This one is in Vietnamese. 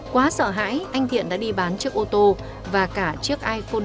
quá sợ hãi anh thiện đã đi bán chiếc ô tô và cả chiếc iphone năm